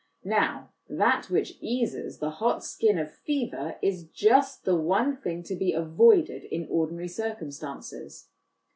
Now, that which eases the hot skin of fever is just the one thing to be avoided in ordinary circumstances.